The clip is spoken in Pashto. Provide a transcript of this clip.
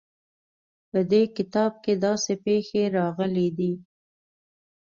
په دې کتاب کې داسې پېښې راغلې دي.